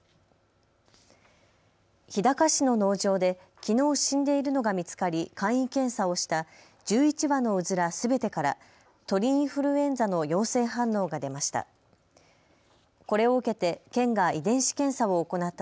日高市の農場できのう死んでいるのが見つかり簡易検査をした１１羽のうずらすべてから鳥インフルエンザの陽性反応が出ました。